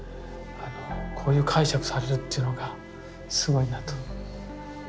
こういう解釈されるっていうのがすごいなと思いますよね。